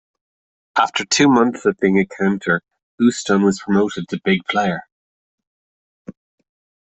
After two months of being a counter, Uston was promoted to "Big Player".